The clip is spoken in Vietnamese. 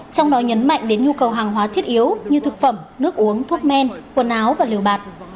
trong đó nhấn mạnh đến nhu cầu hàng hóa thiết yếu như thực phẩm nước uống thuốc men quần áo và liều bạc